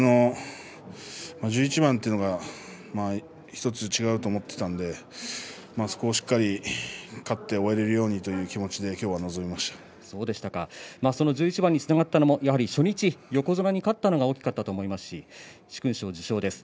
１１番というのは１つ違うと思っていたのでそこをしっかり勝って終われるようにというその１１番につながったのも初日横綱に勝ったのが大きかったと思いますし殊勲賞受賞です。